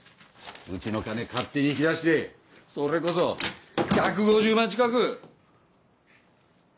うちの金勝手に引き出してそれこそ１５０万近く！